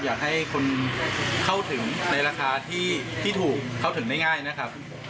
อยากให้คนเข้าถึงในราคาที่ถูกเข้าถึงได้ง่ายนะครับ